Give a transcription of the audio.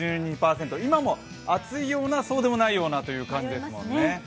今も暑いような、そうでもないようなという感じですもんね。